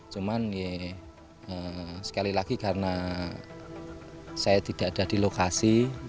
cuman ya sekali lagi karena saya tidak ada di lokasi